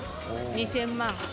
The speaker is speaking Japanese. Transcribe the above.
２０００万。